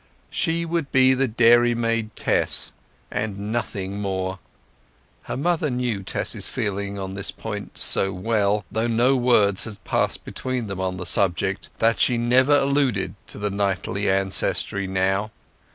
She would be the dairymaid Tess, and nothing more. Her mother knew Tess's feeling on this point so well, though no words had passed between them on the subject, that she never alluded to the knightly ancestry now.